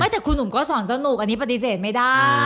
แต่ครูหนุ่มก็สอนสนุกอันนี้ปฏิเสธไม่ได้